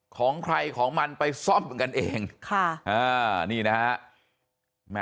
ของใครของมันไปซ้อมกันเองค่ะ